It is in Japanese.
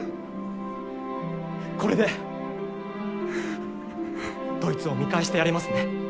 これでドイツを見返してやれますね。